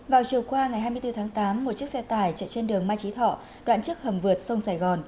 vào chiều qua ngày hai mươi bốn tháng tám một chiếc xe tải chạy trên đường mai trí thọ đoạn trước hầm vượt sông sài gòn